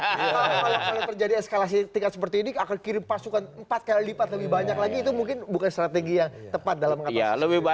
kalau terjadi eskalasi tingkat seperti ini akan kirim pasukan empat kali lipat lebih banyak lagi itu mungkin bukan strategi yang tepat dalam mengatasi